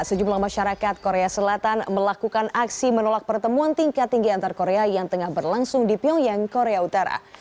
sejumlah masyarakat korea selatan melakukan aksi menolak pertemuan tingkat tinggi antar korea yang tengah berlangsung di pyongyang korea utara